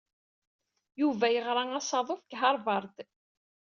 Yuba yeɣra asaḍuf deg Harvard.